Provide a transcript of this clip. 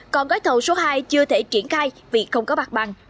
còn gói thầu số hai chưa thể triển khai vì không có mặt bằng